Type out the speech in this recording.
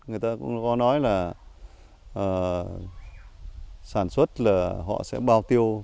người ta cũng có nói là sản xuất là họ sẽ bao tiêu